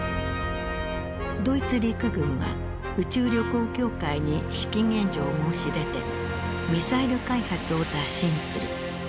ドイツ陸軍は宇宙旅行協会に資金援助を申し出てミサイル開発を打診する。